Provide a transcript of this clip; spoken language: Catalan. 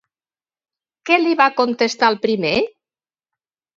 Què li va contestar el primer?